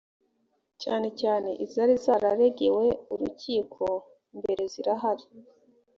cyane cyane izari zararegewe urukiko mbere zirahari